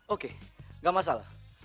oke gak masalah